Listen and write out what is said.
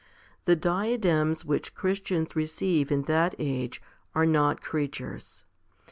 The diadems which Christians receive in that age are not creatures.